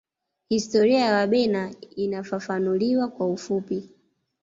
Historia ya Wabena inafafanuliwa kwa ufupi